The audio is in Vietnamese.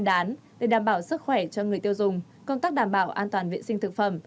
bán để đảm bảo sức khỏe cho người tiêu dùng công tác đảm bảo an toàn vệ sinh thực phẩm